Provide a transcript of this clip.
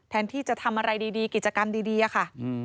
แทนที่จะทำอะไรดีกิจกรรมดีอะค่ะ